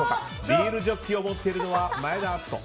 ビールジョッキを持っているのは前田敦子。